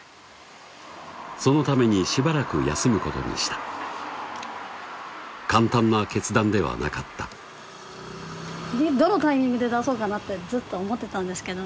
そのためにしばらく休むことにした簡単な決断ではなかったどのタイミングで出そうかなってずっと思ってたんですけどね